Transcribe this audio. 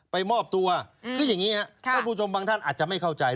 มอบตัวคืออย่างนี้ครับท่านผู้ชมบางท่านอาจจะไม่เข้าใจ